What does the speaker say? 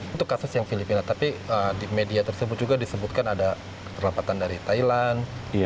untuk kasus yang filipina tapi di media tersebut juga disebutkan ada keterlambatan dari thailand tni au angkatan narad juga